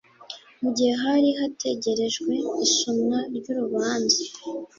Mu gihe hari hategerejwe isomwa ry’urubanza